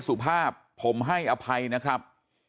สุภาพผมให้อภัยนะครับ